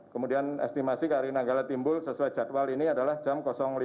kemudian estimasi kri nanggala timbul sesuai jadwal ini adalah jam lima